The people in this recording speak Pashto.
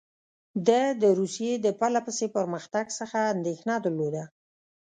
ده د روسیې د پرله پسې پرمختګ څخه اندېښنه درلوده.